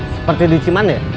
seperti di ciman ya